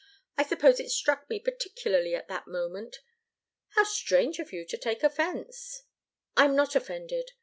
I suppose it struck me particularly at that moment. How strange of you to take offence!" "I'm not offended.